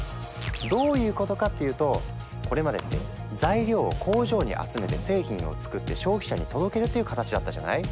どういうことかっていうとこれまでって材料を工場に集めて製品を作って消費者に届けるという形だったじゃない？